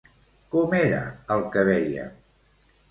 Com era el que veia?